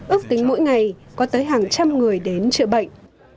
ước tính mỗi ngày có tới hàng trăm người đến chữa bệnh